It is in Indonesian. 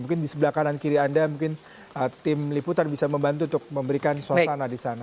mungkin di sebelah kanan kiri anda mungkin tim liputan bisa membantu untuk memberikan suasana di sana